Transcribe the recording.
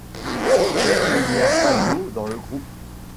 Mais il n'y a pas d'eau dans le groupe.